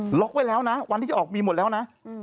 ล็อกไว้แล้วนะวันที่จะออกมีหมดแล้วนะ